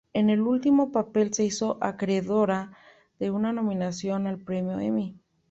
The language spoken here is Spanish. En el último papel se hizo acreedora de una nominación al Premio Emmy.